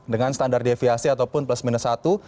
dengan standar deviasi ataupun plus minus satu